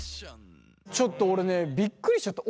ちょっと俺ねびっくりしちゃった。